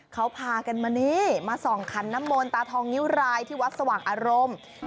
เขาพากันมานี่มาส่องขันน้ำมนตาทองนิ้วรายที่วัดสว่างอารมณ์